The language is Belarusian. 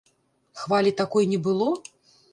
Хвалі такой не было?